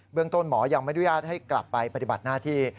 เบื้องต้นหมอยังไม่ด้วยยากให้กลับไปปฏิบัติหน้าที่